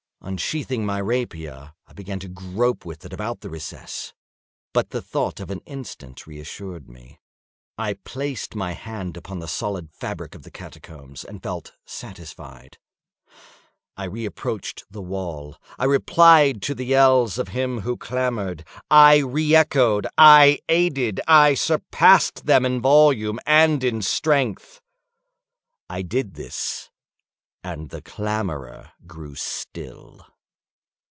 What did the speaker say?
Unsheathing my rapier, I began to grope with it about the recess: but the thought of an instant reassured me. I placed my hand upon the solid fabric of the catacombs, and felt satisfied. I reapproached the wall. I replied to the yells of him who clamored. I re echoed—I aided—I surpassed them in volume and in strength. I did this, and the clamorer grew still.